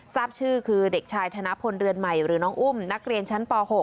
ทราบชื่อคือเด็กชายธนพลเรือนใหม่หรือน้องอุ้มนักเรียนชั้นป๖